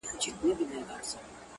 زما سجده دي ستا د هيلو د جنت مخته وي;